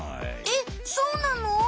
えっそうなの？